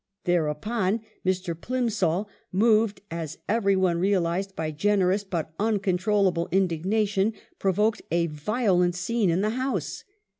Thereupon Mr. Plimsoll, moved, as every one" realized, by generous but uncontrollable indignation, provoked a violent scene in the House.